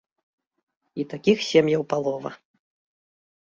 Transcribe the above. І такіх сем'яў палова.